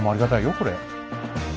これ。